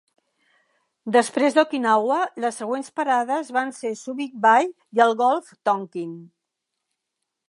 Després d'Okinawa, les següents parades van ser, Subic Bay i el golf Tonkin.